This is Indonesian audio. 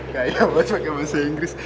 kayak bos pake bahasa inggris